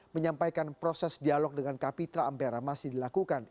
menyampaikan proses dialog dengan kapitra ampera masih dilakukan